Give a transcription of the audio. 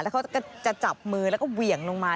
แล้วเขาก็จะจับมือแล้วก็เหวี่ยงลงมา